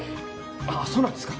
あぁそうなんですか？